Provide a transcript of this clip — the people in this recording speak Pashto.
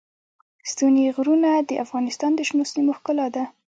ستوني غرونه د افغانستان د شنو سیمو ښکلا ده.